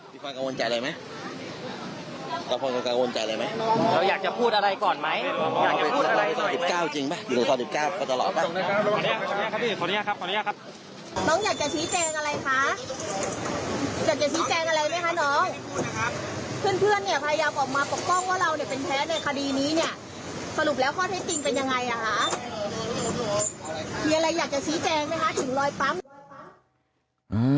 มีเพื่อนเพื่อนเนี่ยพยายามออกมาปกป้องว่าเราเนี่ยเป็นแพ้ในคดีนี้เนี่ยสรุปแล้วข้อเท็จจริงเป็นยังไงอ่ะคะมีอะไรอยากจะชี้แจงไหมคะถึงรอยปั๊ม